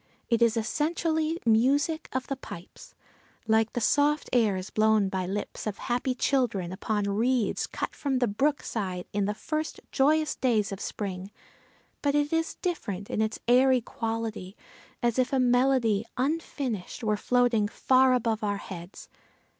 It is essentially music of the pipes, like the soft airs blown by lips of happy children upon reeds cut from the brook side in the first joyous days of spring, but it is different in its airy quality, as if a melody, unfinished, were floating far above our heads!